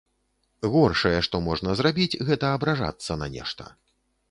Горшае, што можна зрабіць, гэта абражацца на нешта.